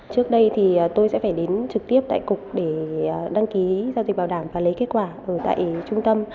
trước đây thì tôi sẽ phải đến trực tiếp tại cục để đăng ký giao dịch bảo đảm và lấy kết quả ở tại trung tâm